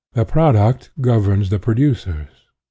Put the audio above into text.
The product governs the producers.